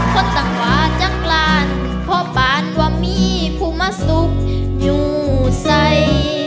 ขนตางหวะจักรรพ่อบานว่ามีภูมิสุขอยู่ใส่